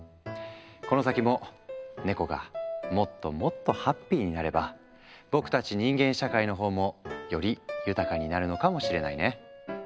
この先もネコがもっともっとハッピーになれば僕たち人間社会のほうもより豊かになるのかもしれないね。